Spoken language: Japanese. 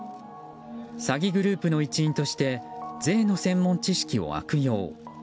詐欺グループの一員として税の専門知識を悪用。